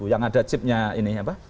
yang ada chipnya ini